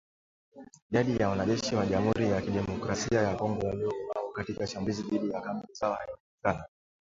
Idadi ya wanajeshi wa Jamhuri ya Kidemokrasia ya Kongo waliouawa katika shambulizi dhidi ya kambi zao haijajulikana